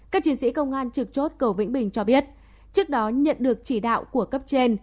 các chiến sĩ công an trực chốt cầu vĩnh bình cho biết trước đó nhận được chỉ đạo của cấp trên